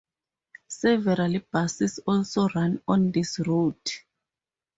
Several buses also run on this route.